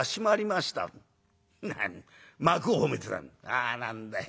「あ何だい。